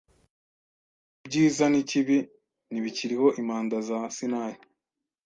Ibyiza nikibi ntibikiriho Impanda za Sinayi